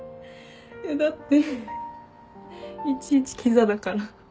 だっていちいちきざだから。